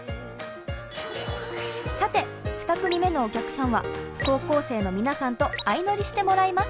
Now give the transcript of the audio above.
さて２組目のお客さんは高校生の皆さんと相乗りしてもらいます。